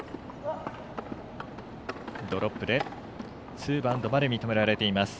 ツーバウンドまで認められています。